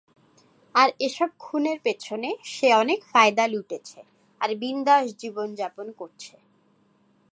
আর এসব খুনের পেছনে সে অনেক ফায়দা লুটেছে আর বিন্দাস জীবন-যাপন করছে।